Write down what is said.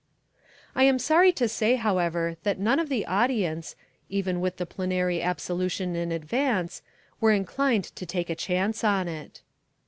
I am sorry to say, however, that none of the audience, even with the plenary absolution in advance, were inclined to take a chance on it.